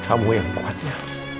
kamu yang kuatnya